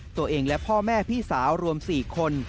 ตัวเองและพ่อแม่พี่สาวรวม๔คน